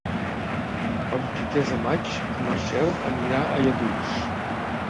El vint-i-tres de maig en Marcel anirà a Lladurs.